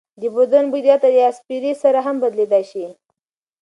د بدن بوی د عطر یا سپرې سره هم بدلېدای شي.